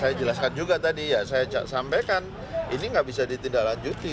saya jelaskan juga tadi ya saya sampaikan ini nggak bisa ditindaklanjuti